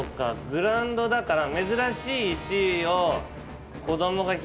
グラウンドだから。